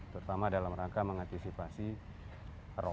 terutama dalam rangka mengantisipasi